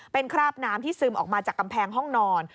เป็นคราบน้ำที่ซึมออกมาจากกำแพงห้องนอน